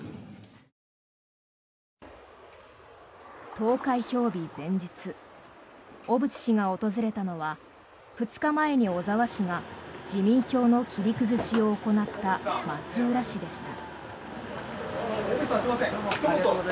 投開票日前日小渕氏が訪れたのは２日前に小沢氏が自民票の切り崩しを行った松浦市でした。